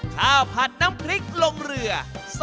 ข้าวผัดน้ำพริกลงเรือ